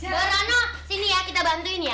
borono sini ya kita bantuin ya